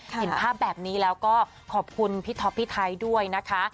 เห็นภาพแบบนี้แล้วก็ขอบคุณพี่ท็อปพี่ไทยด้วยนะคะ